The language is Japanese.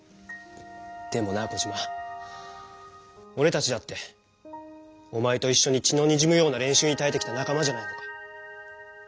でもなコジマおれたちだっておまえといっしょに血のにじむような練習にたえてきた仲間じゃないのか？